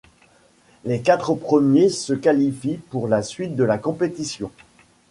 Les quatre premiers se qualifient pour la suite de la compétition.